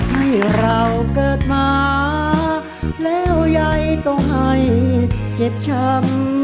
ที่เราเกิดมาแล้วยายต้องให้เจ็บช้ำ